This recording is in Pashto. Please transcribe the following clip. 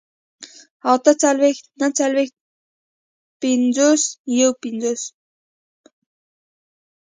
اتهڅلوېښت، نههڅلوېښت، پينځوس، يوپينځوس